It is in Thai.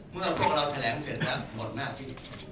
พวกเราแถลงเสร็จแล้วหมดหน้าที่